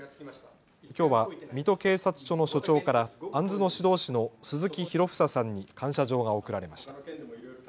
きょうは水戸警察署の署長からアンズの指導士の鈴木博房さんに感謝状が贈られました。